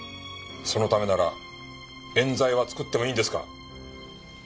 そのためなら冤罪は作ってもいいんですか？